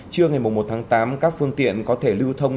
trưa ngày một tháng tám các phương tiện có thể lưu thông